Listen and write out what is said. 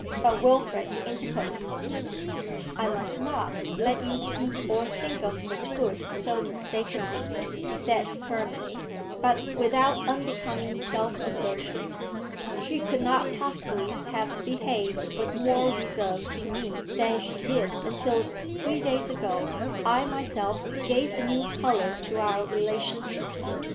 But Wilfrid interposed. 'I must not let you speak or think of Miss Hood so mistakenly,' he said firmly, but without unbecoming self assertion. 'She could not possibly have behaved with more reserve to me than she did until, three days ago, I myself gave a new colour to our relations.